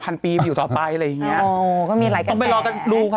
ปีอยู่ต่อไปอะไรอย่างเงี้ยอ๋อก็มีหลายกันต้องไปรอกันดูค่ะ